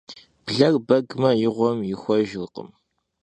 Bler begme, yi ğuem yixuejjırkhım.